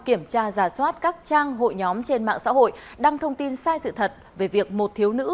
kiểm tra giả soát các trang hội nhóm trên mạng xã hội đăng thông tin sai sự thật về việc một thiếu nữ